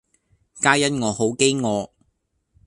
皆因我好飢餓